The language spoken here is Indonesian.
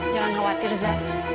jangan khawatir za